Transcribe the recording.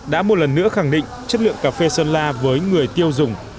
đã một lần nữa khẳng định chất lượng cà phê sơn la với người tiêu dùng